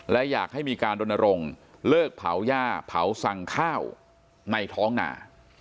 และอยากให้มีการดนรงค์เลิกเผาย่าเผาสั่งข้าวในท้องหนา